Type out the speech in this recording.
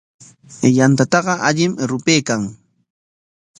Yantataqa allim rupaykan.